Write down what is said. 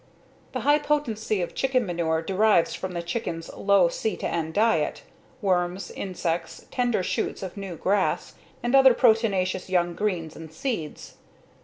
The high potency of chicken manure derives from the chickens' low C/N diet: worms, insects, tender shoots of new grass, and other proteinaceous young greens and seeds.